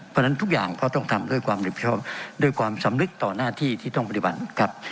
เพราะฉะนั้นทุกอย่างก็ต้องทำด้วยความรับผิดชอบด้วยความสำนึกต่อหน้าที่ที่ต้องปฏิบัติครับ